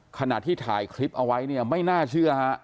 ขณะที่ถ่ายคลิปเอาไว้เนี่ยไม่น่าเชื่อฮะ